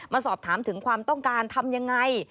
สอบถามถึงความต้องการทำยังไง